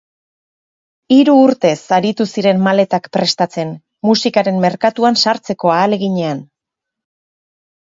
Hiru urtez aritu ziren maketak prestatzen, musikaren merkatuan sartzeko ahaleginean.